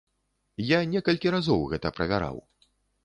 Я некалькі разоў гэта правяраў.